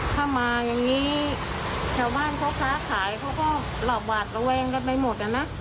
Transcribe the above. ถ้ามาอย่างนี้ชาวบ้านเขาค้าขายเขาก็หลับหวาดระแวงกันไปหมดอะนะ